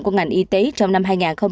của ngành y tế trong năm hai nghìn hai mươi